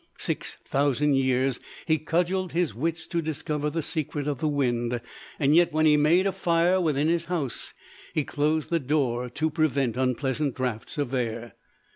Six thousand years he cudgeled his wits to discover the secret of the wind: yet when he made a fire within his house, he closed the door to prevent unpleasant draughts of air.